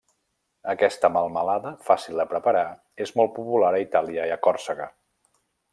Aquesta melmelada, fàcil de preparar, és molt popular a Itàlia i a Còrsega.